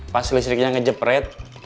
pas listriknya ngejepret